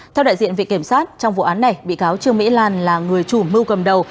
theo đại diện viện kiểm sát trong vụ án này bị cáo trương mỹ lan là người chủ mưu cầm đầu